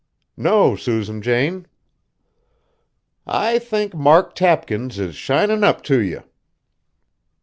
"No, Susan Jane." "I think Mark Tapkins is shinin' up t' you!"